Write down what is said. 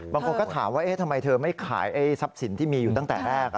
บางคนก็ถามว่าทำไมเธอไม่ขายทรัพย์สินที่มีอยู่ตั้งแต่แรก